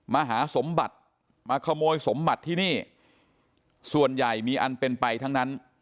มหาสมบัติมาขโมยสมบัติที่นี่ส่วนใหญ่มีอันเป็นไปทั้งนั้น